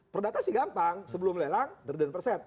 perdata sih gampang sebelum lelang derden perset